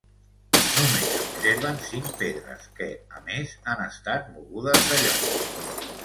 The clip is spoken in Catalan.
Només s'observen cinc pedres que, a més, han estat mogudes de lloc.